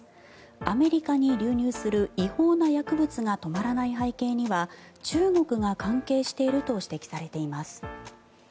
アメリカに流入する違法な薬物が止まらない背景には中国が関係していると指摘されています。